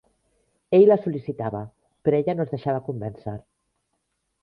Ell la sol·licitava, però ella no es deixava convèncer.